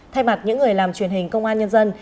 thay mặt những người làm truyền hình công an nhân dân